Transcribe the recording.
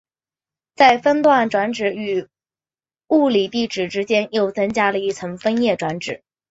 在分段转址与物理地址之间又增加了一层分页转址。